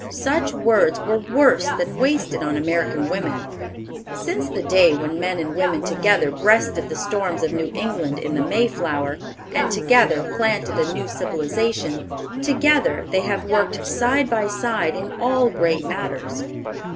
Such words were worse than wasted on American women. Since the day when men and women together breasted the storms of New England in the Mayflower, and together planted a new civilization, together they have worked side by side in all great matters.